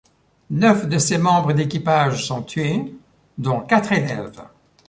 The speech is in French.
Neuf de ses membres d'équipage sont tués, dont quatre élèves.